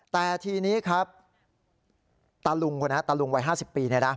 แต่ทีนี้ครับตาลุงวัย๕๐ปี